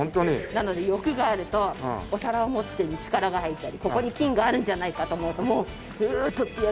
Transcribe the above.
なので欲があるとお皿を持つ手に力が入ったりここに金があるんじゃないかと思うともうウウッ採ってやるぞ。